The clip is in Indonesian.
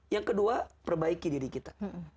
yang kedua perbaiki diri kita